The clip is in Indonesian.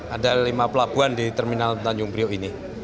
ada lima pelabuhan di terminal tanjung priok ini